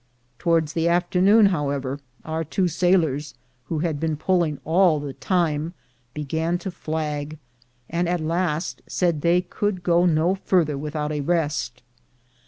Towards the afternoon, however, our two sailors, who had been pulling all the time, began to flag, and at last said they could go no further without a rest.